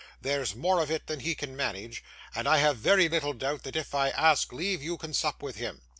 There's more of it than he can manage, and I have very little doubt that if I ask leave, you can sup with him.